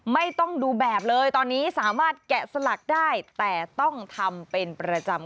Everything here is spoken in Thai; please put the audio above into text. ไม่ต้องดูแบบเลยตอนนี้สามารถแกะสลักได้แต่ต้องทำเป็นประจำ